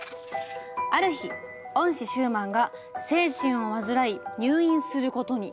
ある日恩師シューマンが精神を患い入院することに。